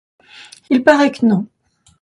Il paraît que non.